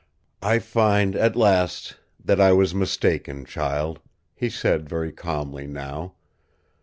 "I find at last that I was mistaken, child," he said, very calmly now.